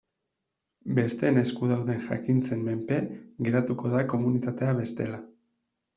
Besteen esku dauden jakintzen menpe geratuko da komunitatea bestela.